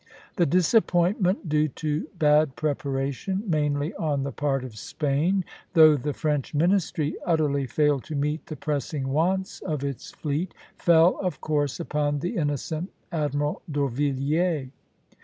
The disappointment, due to bad preparation, mainly on the part of Spain, though the French ministry utterly failed to meet the pressing wants of its fleet, fell, of course, upon the innocent Admiral d'Orvilliers.